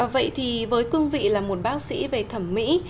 vậy thì với cương vị là một bác sĩ về thẩm mỹ